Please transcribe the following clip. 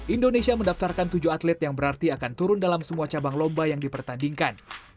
indonesia mendaftarkan tujuh atlet yang berarti akan turun dalam semua cabang lomba yang dipertandingkan